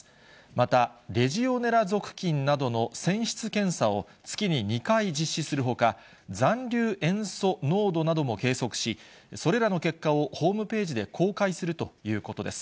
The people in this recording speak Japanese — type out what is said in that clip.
また、レジオネラ属菌などの泉質検査を月に２回実施するほか、残留塩素濃度なども計測し、それらの結果をホームページで公開するということです。